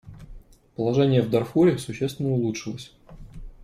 Положение в Дарфуре существенно улучшилось.